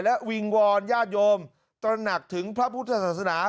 และวิงวอนญาติโยมตระหนักถึงพระพุทธศาสนา